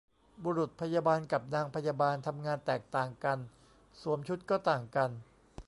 บุรุษพยาบาล กับนางพยาบาล ทำงานแตกต่างกัน สวมชุดก็ต่างกัน